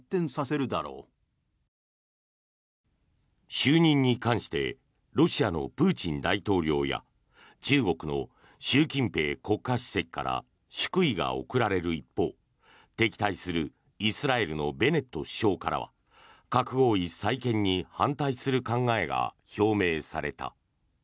就任に関してロシアのプーチン大統領や中国の習近平国家主席から祝意が贈られる一方敵対するイスラエルのベネット首相からは核合意再建に反対する考えが表明された。